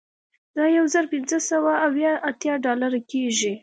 دا یو زر پنځه سوه اوه اتیا ډالره کیږي